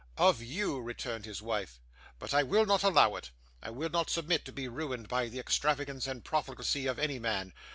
'Of you,' returned his wife. 'But I will not allow it. I will not submit to be ruined by the extravagance and profligacy of any man.